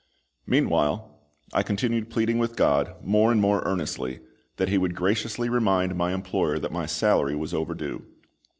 Meanwhile, I continued pleading with GOD, more and more earnestly, that He would graciously remind my employer that my salary was overdue.